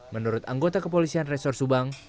menurut anggota kepolisian resor subang